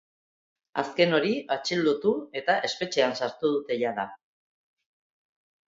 Azken hori atxilotu eta espetxean sartu dute jada.